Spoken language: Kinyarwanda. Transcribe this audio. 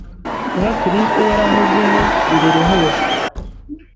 Kuba Kristo yarahozeho mbere hose